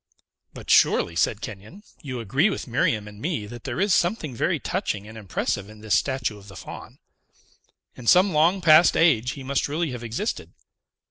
"But, surely," said Kenyon, "you agree with Miriam and me that there is something very touching and impressive in this statue of the Faun. In some long past age, he must really have existed.